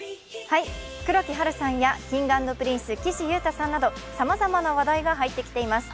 黒木華さんやＫｉｎｇ＆Ｐｒｉｎｃｅ岸優太さんなどさまざまな話題が入ってきています。